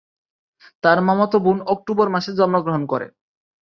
তার মামাতো বোন অক্টোবর মাসে জন্মগ্রহণ করে।